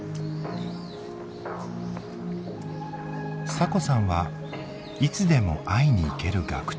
サコさんは「いつでも会いに行ける学長」。